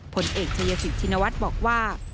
ผลเอกเชษฐิชิธินวัฒน์บอกว่า